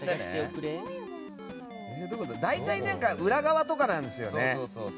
大体、裏側とかなんですよね。